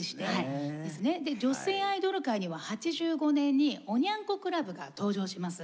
女性アイドル界には８５年におニャン子クラブが登場します。